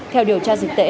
theo điều tra dịch tễ